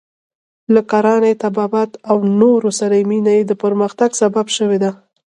له کرانې، طبابت او نورو سره مینه یې د پرمختګ سبب شوې ده.